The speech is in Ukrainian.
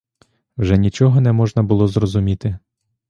Вже нічого не можна було зрозуміти.